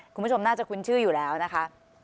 คุณผู้ชมน่าจะคุ้นชื่ออยู่แล้วนะคะ